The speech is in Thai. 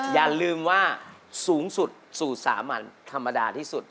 อย่าลืมว่าสูงสุดสู่สามัญธรรมดาที่สุด